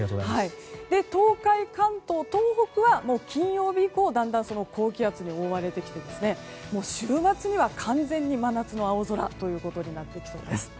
東海、関東、東北は金曜日以降だんだん高気圧に覆われてきて週末には完全に真夏の青空となってきそうです。